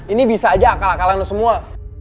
ini bisa aja akal akalan semua